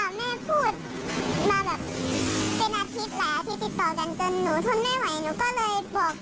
อ้าาแม่พูดมาแบบเป็นอาทิตย์แล้ว